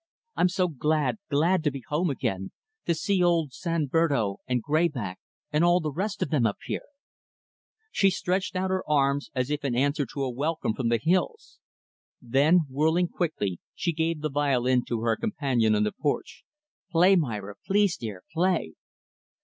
I'm so glad, glad to be home again to see old 'San Berdo' and 'Gray Back' and all the rest of them up there!" She stretched out her arms as if in answer to a welcome from the hills. Then, whirling quickly, she gave the violin to her companion on the porch. "Play, Myra; please, dear, play."